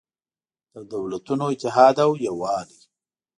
د دولتونو اتحاد او یووالی